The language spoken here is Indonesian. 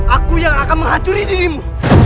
aku yang akan menghancuri dirimu